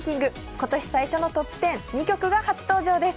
今年最初のトップ１０２曲が初登場です。